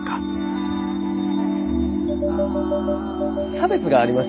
「差別があります